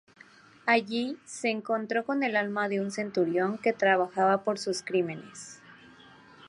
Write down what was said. Allí se encontró con el alma de un centurión que trabajaba por sus crímenes.